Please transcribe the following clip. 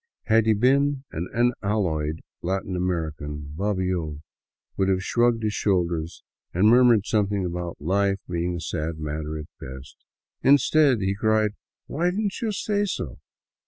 Had he been an unalloyed Latin American, Bobbio would have shrugged his shoulders and murmured something about life being a sad matter at best. Instead, he cried " Why did n't you say so